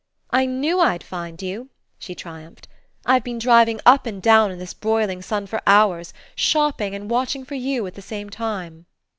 "I knew I'd find you," she triumphed. "I've been driving up and down in this broiling sun for hours, shopping and watching for you at the same time."